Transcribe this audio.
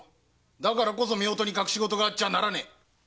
だからこそ夫婦に隠し事があっちゃならねえ。